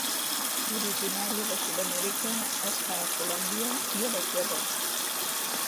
Originària de Sud-amèrica, es fa a Colòmbia i a l'Equador.